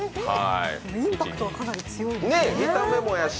インパクトがかなり強いですし。